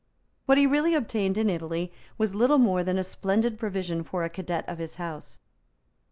What he really obtained in Italy was little more than a splendid provision for a cadet of his house.